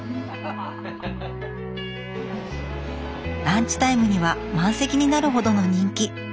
ランチタイムには満席になるほどの人気。